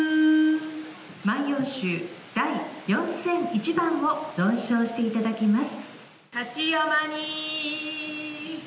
万葉集第４００１番を朗唱していただきます。